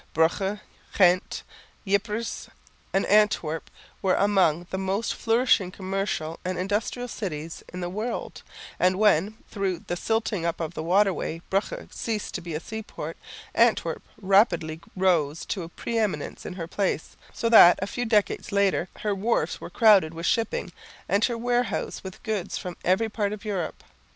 Bruges, Ghent, Ypres and Antwerp were among the most flourishing commercial and industrial cities in the world, and when, through the silting up of the waterway, Bruges ceased to be a seaport, Antwerp rapidly rose to pre eminence in her place, so that a few decades later her wharves were crowded with shipping, and her warehouses with goods from every part of Europe.